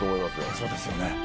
そうですよね。